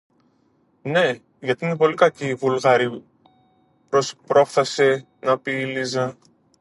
Ναι, γιατί είναι πολύ κακοί οι Βούλγαροι, πρόφθασε να πει η Λίζα.